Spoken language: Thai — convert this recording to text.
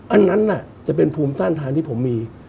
อันนั้นจะเป็นภูมิต้านทานที่ผมมี